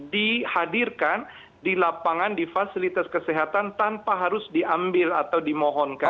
dihadirkan di lapangan di fasilitas kesehatan tanpa harus diambil atau dimohonkan